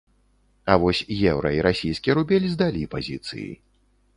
А вось еўра і расійскі рубель здалі пазіцыі.